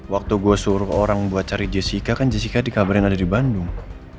waktu gua suruh orang buat cari jessica kan jessica di kabar yang ada di bandung